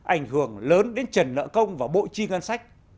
ảnh hưởng lớn đến trần nợ công và bộ chi ngân sách